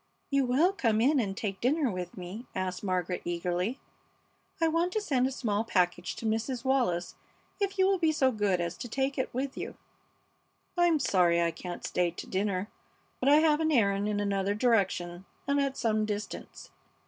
"You will come in and take dinner with me?" asked Margaret, eagerly. "I want to send a small package to Mrs. Wallis if you will be so good as to take it with you." "I'm sorry I can't stay to dinner, but I have an errand in another direction and at some distance.